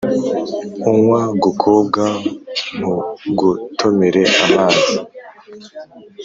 unywa gukobwa nk’ugotomera amazi’